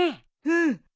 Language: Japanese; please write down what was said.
うん！